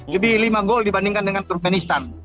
lebih lima gol dibandingkan dengan turkmenistan